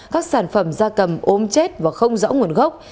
các sản phẩm da cầm ốm chết và không rõ nguồn gốc